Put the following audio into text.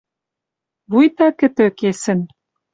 Вуйта кӹтӧ кесӹн